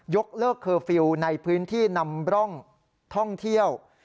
ยกเลิกเคอร์ฟิลล์ในพื้นที่นำร่องท่องเที่ยว